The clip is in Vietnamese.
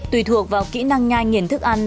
tùy thuộc vào kỹ năng nhanh nghiền thức ăn